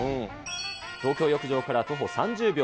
東京浴場から徒歩３０秒。